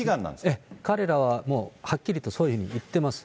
彼らはもう、はっきりとそういうふうに言っています。